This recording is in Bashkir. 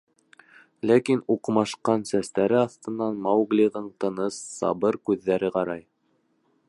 Ләкин уҡмашҡан сәстәре аҫтынан Мауглиҙың тыныс, сабыр күҙҙәре ҡарай.